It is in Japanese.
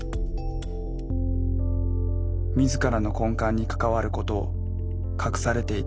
自らの根幹に関わることを隠されていた石塚さん。